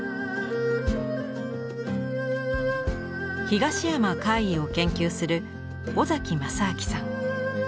東山魁夷を研究する尾正明さん。